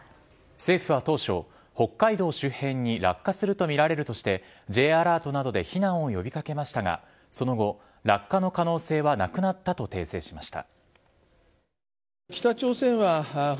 政府は当初、北海道周辺に落下するとみられるとしてＪアラートなどで避難を呼び掛けましたがその後落下の可能性はなくなったと訂正しました。